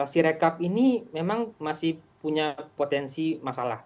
si recap ini memang masih punya potensi masalah